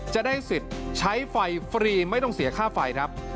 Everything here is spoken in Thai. จะได้สิทธิ์ใช้ไฟฟรีไม่ต้องเสียค่าไฟครับ